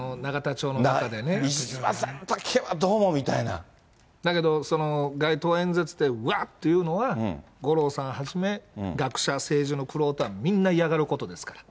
石破さんだけはどうもみたいだけど、街頭演説でうわっというのは、五郎さんはじめ、学者、政治の玄人はみんな、嫌がることですから。